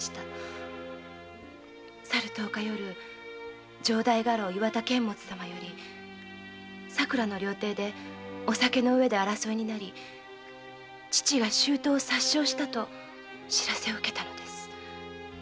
去る十日夜城代家老岩田監物様より佐倉の料亭でお酒の上で争いになり父が舅を殺傷したと報せを受けたのです。